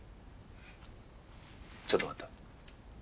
ちょっと待った。